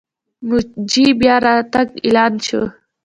مېجي بیا راتګ اعلان شو.